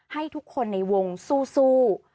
ให้ทุกคนในวงสู้